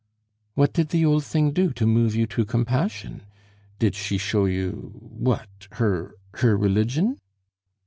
"What did the old thing do to move you to compassion? Did she show you what? her her religion?"